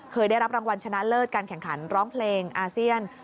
เคยได้รับรางวัลชนะเลิศการแข่งขันร้องเพลงอาเซียน